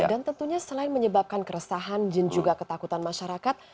dan tentunya selain menyebabkan keresahan dan juga ketakutan masyarakat